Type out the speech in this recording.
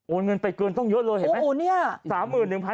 เงินไปเกินต้องเยอะเลยเห็นไหม